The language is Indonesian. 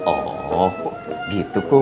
oh gitu kum